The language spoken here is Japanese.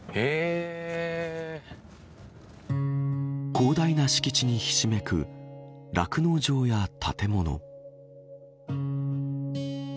広大な敷地にひしめく酪農場や建物。